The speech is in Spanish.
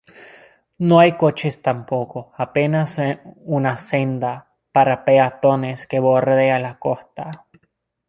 No hay coches tampoco; apenas una senda para peatones que bordea la costa.